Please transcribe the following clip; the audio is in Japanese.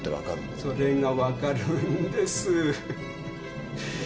それが分かるんです。